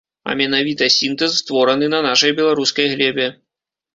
А менавіта сінтэз, створаны на нашай беларускай глебе.